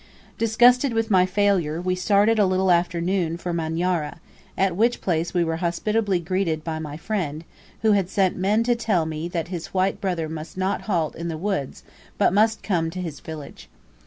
Disgusted with my failure, we started a little after noon for Manyara, at which place we were hospitably greeted by my friend, who had sent men to tell me that his white brother must not halt in the woods but must come to his village.